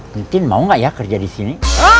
mungkin mau gak ya kerja disini